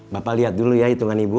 bapak lihat dulu ya hitungan ibu